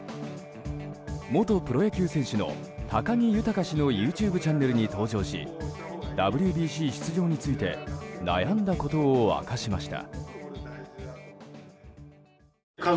元プロ野球選手の高木豊氏のＹｏｕＴｕｂｅチャンネルに登場しＷＢＣ出場について悩んだことを明かしました。